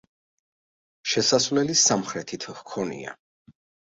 შესასვლელი სამხრეთით ჰქონია.